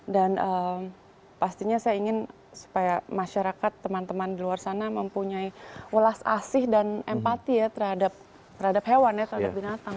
pastinya saya ingin supaya masyarakat teman teman di luar sana mempunyai welas asih dan empati ya terhadap hewan ya terhadap binatang